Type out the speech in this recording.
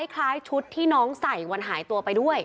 คล้ายชุดที่น้องใส่วันหายตัวไปด้วย